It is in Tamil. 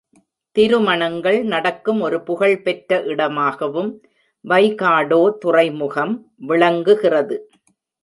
திருமணங்கள் நடக்கும் ஒரு புகழ்பெற்ற இடமாகவும் வைகாடோ துறைமுகம் விளங்குகிறது.